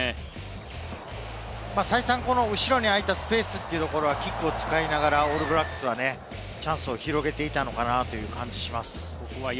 再三、後ろに空いたスペースはキックを使いながら、オールブラックスはチャンスを広げていったのかなという感じがします。